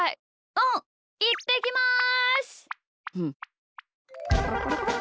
うんいってきます！